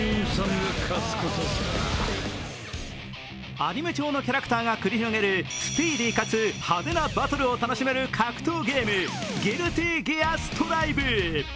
アニメ調のキャラクターが繰り広げるスピーディーかつ派手なバトルを楽しめる格闘ゲーム、「ＧＵＩＬＴＹＧＥＡＲ−ＳＴＲＩＶＥ−」。